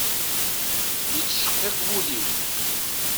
Yettceqqiq wul-iw.